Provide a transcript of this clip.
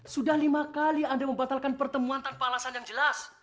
sudah lima kali anda membatalkan pertemuan tanpa alasan yang jelas